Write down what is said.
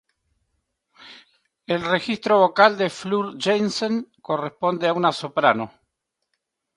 El registro vocal de Floor Jansen corresponde a una soprano.